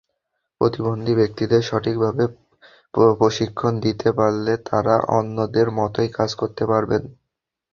প্রতিবন্ধী ব্যক্তিদের সঠিকভাবে প্রশিক্ষণ দিতে পারলে তঁারা অন্যদের মতোই কাজ করতে পারবেন।